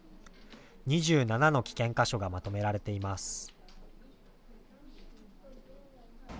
２７の危険箇所がまとめられています。